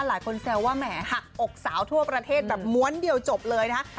แซวว่าแหมหักอกสาวทั่วประเทศแบบม้วนเดียวจบเลยนะคะ